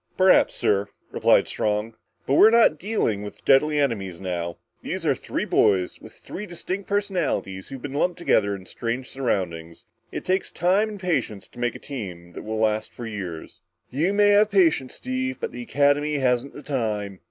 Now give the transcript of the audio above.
"Perhaps, sir," replied Strong. "But we're not dealing with deadly enemies now. These are three boys, with three distinct personalities who've been lumped together in strange surroundings. It takes time and patience to make a team that will last for years." "You may have the patience, Steve, but the Academy hasn't the time."